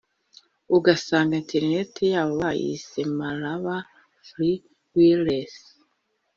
ugasanga internet yabo bayise Maraba Free Wireless